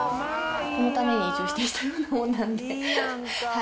このために移住してきたようなもんなんで。